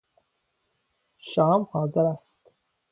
شام حاضر است.